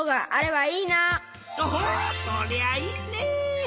おおそりゃあいいね！